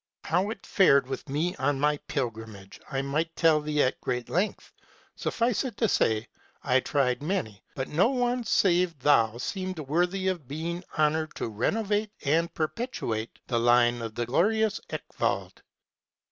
"' How it fared with me on my pilgrimage, I might tell thee at great length. Suffice it to say I tried many, but no one save thou seemed worthy of being honored to renovate and perpetuate the line of the glorious Eckwald.'